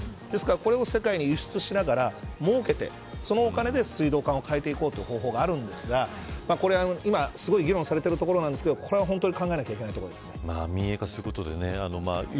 ですからこれを世界に輸出しながらそれで水道管を変えていこうという方があるんですがこれは今すごい議論されているところなんですが本当に考えないといけないところですね。